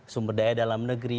sumber daya dalam negeri